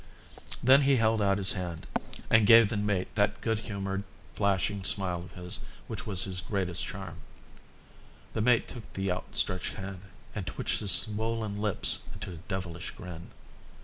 Then he held out his hand and gave the mate that good humoured, flashing smile of his which was his greatest charm. The mate took the outstretched hand and twitched his swollen lips into a devilish grin.